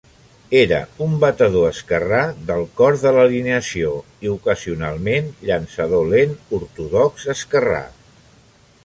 Era un batedor esquerrà del cor de l'alineació i ocasionalment, llançador lent ortodox esquerrà.